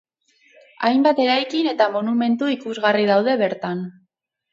Hainbat eraikin eta monumentu ikusgarri daude bertan.